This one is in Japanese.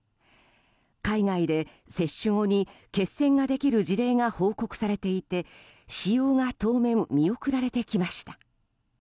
海外で接種後に血栓ができる事例が報告されていて使用が当面見送られてきました。